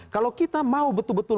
kalau kita mau betul betul